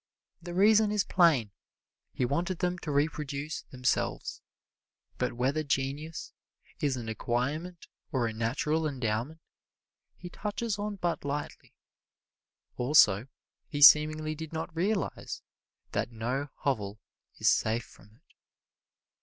The reason is plain: he wanted them to reproduce themselves. But whether genius is an acquirement or a natural endowment he touches on but lightly. Also, he seemingly did not realize "that no hovel is safe from it."